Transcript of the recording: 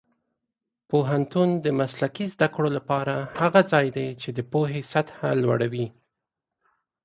پوهنتون د مسلکي زده کړو لپاره هغه ځای دی چې د پوهې سطح لوړوي.